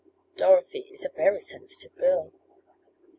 "Dorothy is a very sensitive girl."